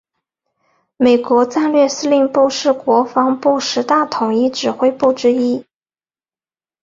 美国战略司令部是国防部十大统一指挥部之一。